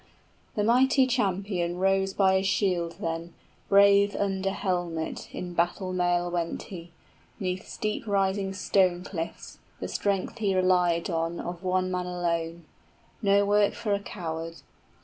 75 The mighty champion rose by his shield then, Brave under helmet, in battle mail went he 'Neath steep rising stone cliffs, the strength he relied on Of one man alone: no work for a coward.